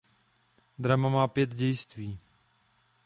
Drama má pět dějství.